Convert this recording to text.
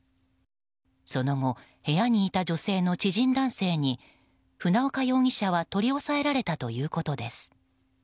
その後、部屋にいた女性の知人男性に船岡容疑者は取り押さえられたということです。